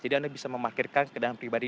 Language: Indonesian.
jadi anda bisa memarkirkan kendaraan pribadi